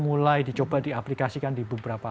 mulai dicoba diaplikasikan di beberapa